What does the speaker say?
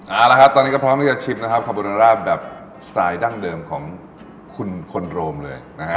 เอาละครับตอนนี้ก็พร้อมที่จะชิมนะครับคาโบนาร่าแบบสไตล์ดั้งเดิมของคุณคนโรมเลยนะฮะ